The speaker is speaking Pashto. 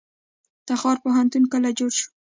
تخار پوهنتون کله جوړ شو؟